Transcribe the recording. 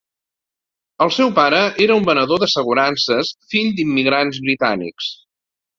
El seu pare era un venedor d’assegurances fill d’immigrants britànics.